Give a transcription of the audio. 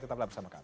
tetap bersama kami